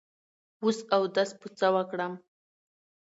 وس اودس په څۀ وکړم